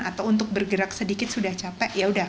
atau untuk bergerak sedikit sudah capek yaudah